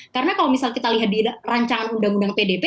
karena kalau misal kita lihat di rancangan undang undang pdp